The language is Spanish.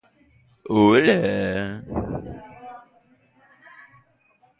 ¿Tienes tú ojos de carne? ¿Ves tú como ve el hombre?